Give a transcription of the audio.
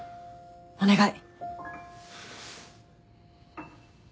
お願い。